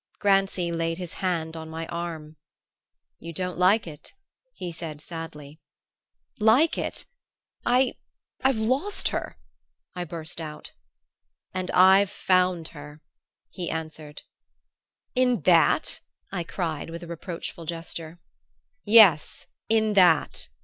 Grancy laid his hand on my arm. "You don't like it?" he said sadly. "Like it? I I've lost her!" I burst out. "And I've found her," he answered. "In that?" I cried with a reproachful gesture. "Yes; in that."